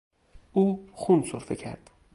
او خون سرفه کرد.